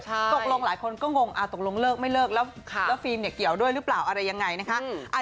ตกลงหลายคนก็งงตกลงเลิกไม่เลิกแล้วฟิล์มเนี่ยเกี่ยวด้วยหรือเปล่าอะไรยังไงนะคะ